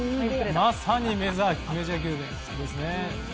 まさにメジャー級ですね。